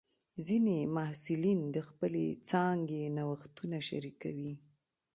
ځینې محصلین د خپلې څانګې نوښتونه شریکوي.